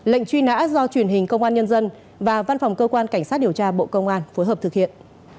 lệnh truy nã do truyền hình công an nhân dân và văn phòng cơ quan cảnh sát điều tra bộ công an phối hợp thực hiện